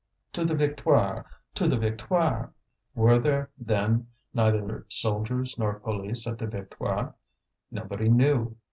"To the Victoire! to the Victoire!" Were there, then, neither soldiers nor police at the Victoire? Nobody knew.